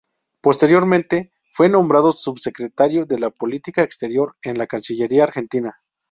Posteriormente fue nombrado Subsecretario de Política Exterior en la Cancillería argentina.